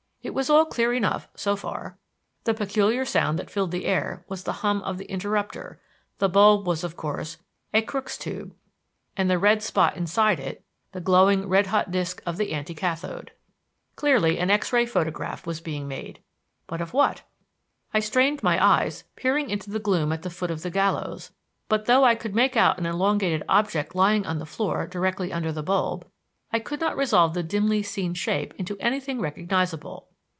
It was all clear enough so far. The peculiar sound that filled the air was the hum of the interrupter; the bulb was, of course, a Crookes tube, and the red spot inside it, the glowing red hot disc of the anti cathode. Clearly an X ray photograph was being made; but of what? I strained my eyes, peering into the gloom at the foot of the gallows, but though I could make out an elongated object lying on the floor directly under the bulb, I could not resolve the dimly seen shape into anything recognizable.